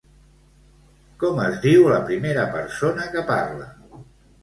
Com es diu la primera persona que parla?